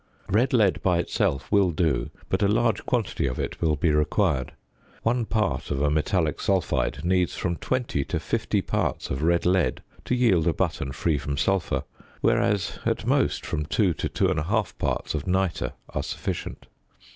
Red lead by itself will do, but a large quantity of it will be required; 1 part of a metallic sulphide needs from 20 to 50 parts of red lead to yield a button free from sulphur; whereas at most from 2 to 2 1/2 parts of nitre are sufficient.